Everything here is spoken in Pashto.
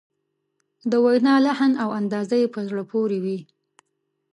د وینا لحن او انداز یې په زړه پورې وي.